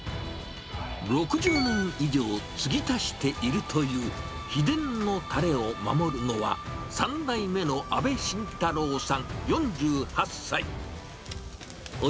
６０年以上つぎ足しているという秘伝のたれを守るのは、３代目の阿部慎太郎さん４８歳。